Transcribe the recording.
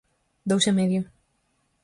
Dous e medio.